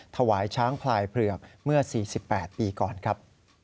ถวายช้างพลายเผือกเมื่อ๔๘ปีก่อนครับ